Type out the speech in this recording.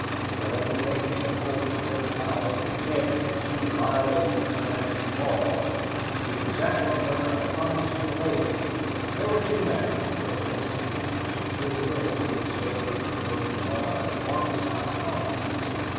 We had undertaken to force a great power to admit that she was violating international law, and to exact from her a promise to obey it. "There were two methods of attempting to secure a reinstatement of the broken law. One was by arms.